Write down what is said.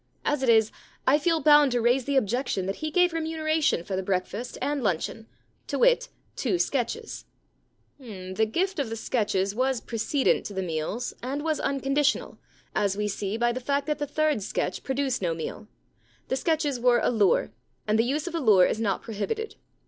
As it is, I feel bound to raise the objection that he gave remuneration for the breakfast and luncheon — to wit, two sketches/ * The gift of the sketches was precedent to the meals and was unconditional, as we see by the fact that the third sketch produced no meal. The sketches were a lure, and the use of a lure is not prohibited.